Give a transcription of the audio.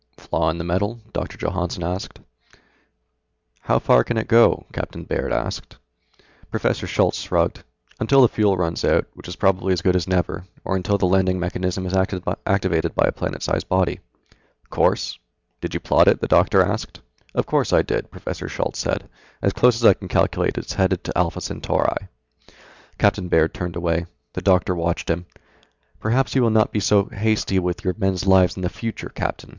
"Flaw in the metal?" Doctor Johannsen said. "How far can it go?" Captain Baird asked. Professor Schultz shrugged. "Until the fuel runs out, which is probably as good as never, or until the landing mechanism is activated by a planet sized body." "Course? Did you plot it?" The doctor asked. "Of course I did," Professor Schultz said, "as close as I can calculate it is headed for Alpha Centauri." Captain Baird turned away. The doctor watched him. "Perhaps you will not be quite so hasty with your men's lives in the future, Captain?"